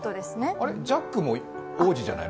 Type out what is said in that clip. あれ、ジャックも王子じゃないの？